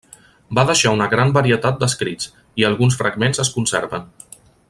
Va deixar una gran varietat d'escrits, i alguns fragments es conserven.